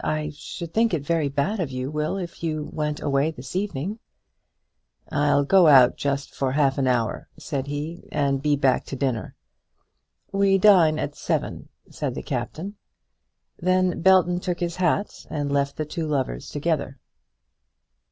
I should think it very bad of you, Will, if you went away this evening." "I'll go out just for half an hour," said he, "and be back to dinner." "We dine at seven," said the Captain. Then Belton took his hat and left the two lovers together.